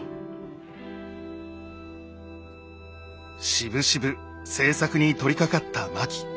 しぶしぶ製作に取りかかった槇。